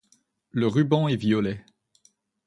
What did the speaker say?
Le ruban est violet.